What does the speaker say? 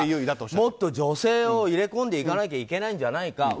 もっと女性を入れ込んでいかなきゃいけないんじゃないか。